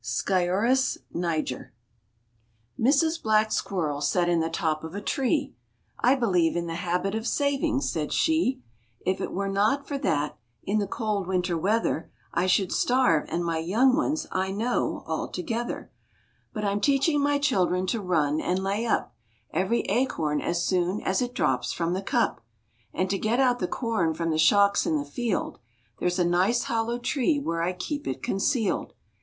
(Sciurus niger.) Mrs Black Squirrel sat in the top of a tree; "I believe in the habit of saving," said she; "If it were not for that, in the cold winter weather I should starve, and my young ones, I know, altogether; But I'm teaching my children to run and lay up Every acorn as soon as it drops from the cup, And to get out the corn from the shocks in the field There's a nice hollow tree where I keep it concealed.